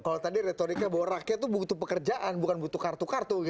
kalau tadi retoriknya bahwa rakyat itu butuh pekerjaan bukan butuh kartu kartu